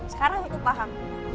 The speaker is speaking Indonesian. sekarang aku paham